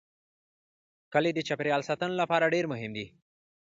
کلي د چاپیریال ساتنې لپاره ډېر مهم دي.